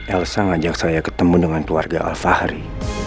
elsa mengajak saya ketemu dengan keluarga alfahri